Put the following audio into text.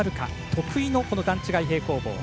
得意の段違い平行棒。